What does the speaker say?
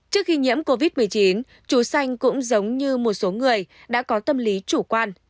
trước khi nhiễm covid một mươi chín chú xanh cũng giống như một số người đã có tâm lý chủ quan